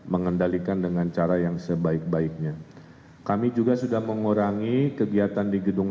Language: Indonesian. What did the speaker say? mengendalikan dengan cara yang sebaik baiknya kami juga sudah mengurangi kegiatan di gedung